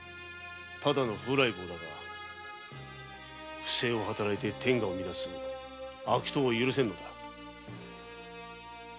ただの風来坊だが不正を働いて天下を乱す悪党は許せんのだ。